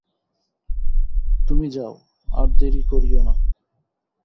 তুমি যাও, আর দেরি করিয়ো না।